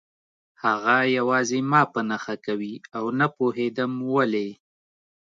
هغه یوازې ما په نښه کوي او نه پوهېدم ولې